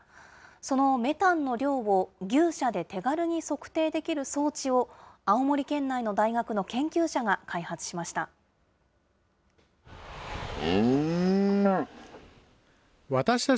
そのメタンの量を牛舎で手軽に測定できる装置を、青森県内の大学の研究者が開発しました。